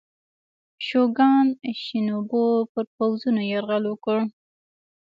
شوګان شینوبو پر پوځونو یرغل وکړ.